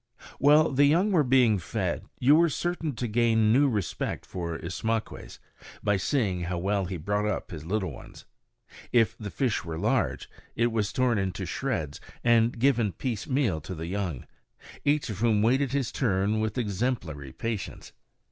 While the young were being fed, you were certain to gain new respect for Ismaques by seeing how well he brought up his little ones. If the fish were large, it was torn into shreds and given piecemeal to the young, each of whom waited for his turn with exemplary patience.